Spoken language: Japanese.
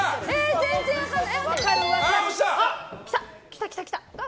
全然分かんない！